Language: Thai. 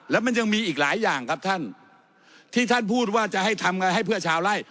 แล้วมันยังมีอีกหลายอย่างครับท่านที่ท่านพูดว่าจะให้ทำไงให้เพื่อชาวไล่